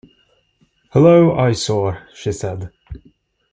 "Hullo, eyesore," she said.